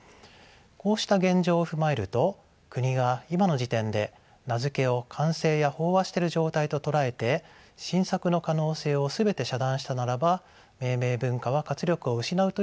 こうした現状を踏まえると国が今の時点で名付けを完成や飽和している状態と捉えて新作の可能性を全て遮断したならば命名文化は活力を失うと予測されます。